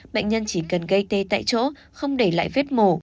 bệnh nhân chỉ cần gây tê tại chỗ không để lại vết mổ